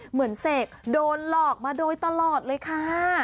เสกโดนหลอกมาโดยตลอดเลยค่ะ